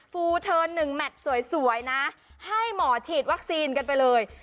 ฟูเทิร์น๑แมทสวยนะให้หมอฉีดวัคซีนกันไปเลย